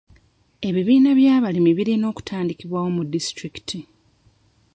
Ebibiina by'abalimi birina okutandikibwawo mu buli disitulikiti.